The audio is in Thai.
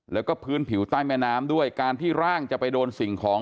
แล้วก็พื้นผิวใต้แม่น้ำด้วยการที่ร่างจะไปโดนสิ่งของ